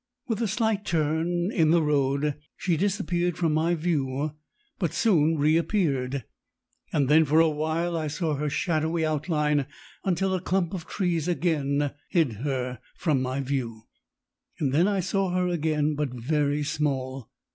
With a slight turn in the road she disappeared from my view but soon reappeared. Then for a while I saw her shadowy outline until a clump of trees again hid her from my view. Then I saw her again, but very small.